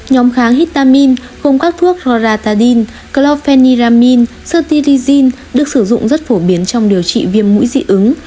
nhóm kháng hitamin gồm các thuốc roratadine clofeniramine sertirizine được sử dụng rất phổ biến trong điều trị viêm mũi dị ứng